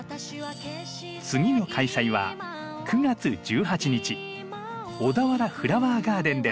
次の開催は９月１８日小田原フラワーガーデンです。